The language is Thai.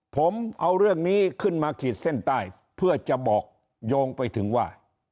ผมเอาเรื่องนี้ขึ้นมาขีดเส้นใต้เพื่อจะบอกโยงไปถึงว่า